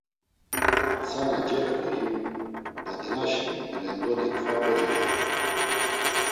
Tsana cext̆u him badinaşi molendoni kva kocexedu.